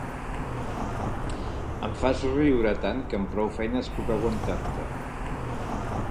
Em fas riure tant que amb prou feines puc aguantar-te!